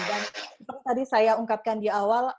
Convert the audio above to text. dan seperti tadi saya ungkatkan di awal